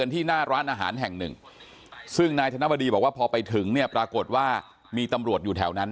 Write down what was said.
ทันบดีบอกว่าพอไปถึงเนี่ยปรากฎว่ามีตำรวจอยู่แถวนั้น